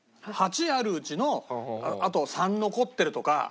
８あるうちのあと３残ってるとか。